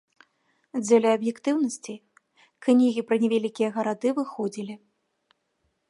Дзеля аб'ектыўнасці, кнігі пра невялікія гарады выходзілі.